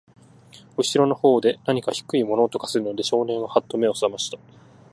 後ろの方で、なにか低い物音がするので、少年は、はっと目を覚ましました。